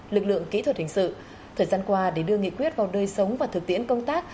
lực lượng kỹ thuật hình sự thời gian qua để đưa nghị quyết vào đời sống và thực tiễn công tác